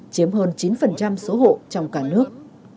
chiếm hơn chín số hộ trong cả nước